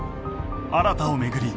新を巡り